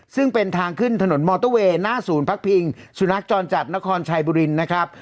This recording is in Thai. ซึ่งเป็นทางขึ้นถนนมอเตอร์เวย์หน้าศูนย์พักพิงสุนัขจรจัดนครชัยบุรีนะครับ